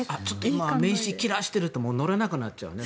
今、名刺切らしていると乗れなくなっちゃうね。